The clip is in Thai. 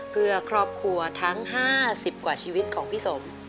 เพื่อครอบครัวทั้ง๕๐กว่าชีวิตของพี่สม